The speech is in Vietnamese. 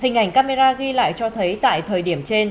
hình ảnh camera ghi lại cho thấy tại thời điểm trên